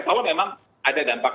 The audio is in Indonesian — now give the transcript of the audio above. soalnya memang ada dampak